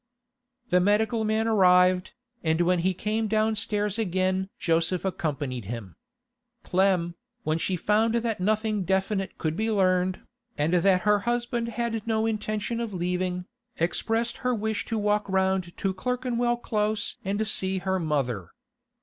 The medical man arrived, and when he came downstairs again Joseph accompanied him. Clem, when she found that nothing definite could be learned, and that her husband had no intention of leaving, expressed her wish to walk round to Clerkenwell Close and see her mother.